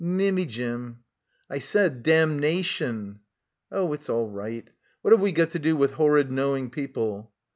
"Mimmy — Jim." "I Said DAMNATION." "Oh, it's all rigfrt. What have we got to do with horrid knowing people."